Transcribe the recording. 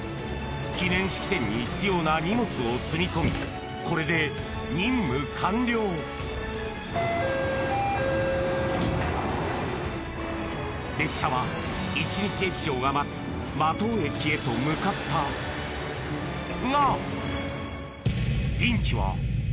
記念式典に必要な荷物を積み込みこれで任務完了列車は一日駅長が待つ間藤駅へと向かったが！